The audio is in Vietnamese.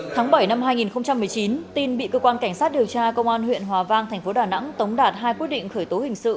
tháng bảy năm hai nghìn một mươi chín tin bị cơ quan cảnh sát điều tra công an huyện hòa vang thành phố đà nẵng tống đạt hai quyết định khởi tố hình sự